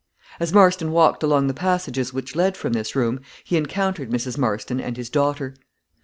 As Marston walked along the passages which led from this room, he encountered Mrs. Marston and his daughter.